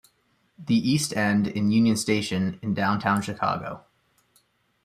The east end is Union Station in downtown Chicago.